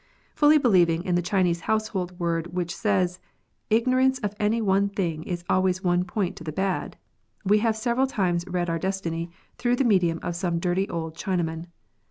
Fully believing in the Chinese household word which says '^Ignorance of any one thing is always one point to the bad," we have several times read our destiny through the medium of some dirty old Chinaman.